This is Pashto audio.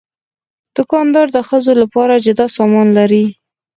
دوکاندار د ښځو لپاره جدا سامان لري.